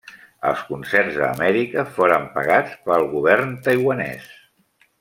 Els concerts a Amèrica foren pagats pel govern taiwanès.